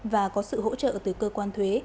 và có sự hỗ trợ từ cơ quan thuế